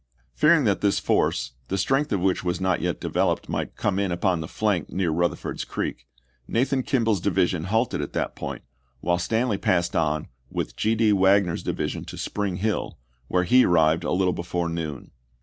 Fearing that this force, the strength of which was not yet developed, might come in upon the flank near Butherford's Creek, Nathan Kimball's division halted at that point, while Stanley passed on with G . D. Wagner's division to Spring Hill, where he arrived a little before noon.